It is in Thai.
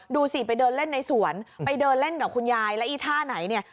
ดูสิไปเดินเล่นในสวนไปเดินเล่นกับคุณยายแล้วอีท่าไหนเนี่ย